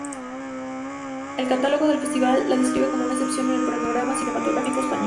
El catálogo del festival la describe como "una excepción en el panorama cinematográfico español.